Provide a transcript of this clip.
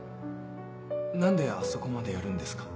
何であそこまでやるんですか？